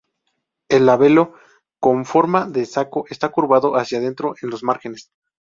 El labelo con forma de saco está curvado hacia dentro en los márgenes.